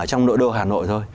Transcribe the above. ở trong nội đô hà nội thôi